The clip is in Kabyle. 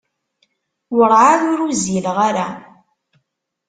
Werɛad ur uzzileɣ ara.